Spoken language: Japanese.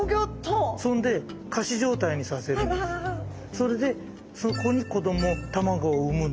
それでそこに子ども卵を産むんです。